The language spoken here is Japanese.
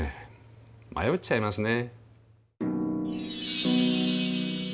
迷っちゃいますね。